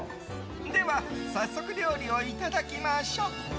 では、早速料理をいただきましょう。